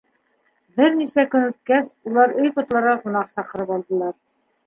Бер нисә көн үткәс, улар өй ҡотларға ҡунаҡ саҡырып алдылар.